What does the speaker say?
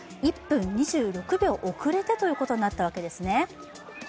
１分２６秒遅れてということになったわけですね。